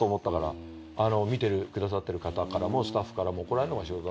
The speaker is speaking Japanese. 見てくださってる方からもスタッフからも怒られるのが仕事。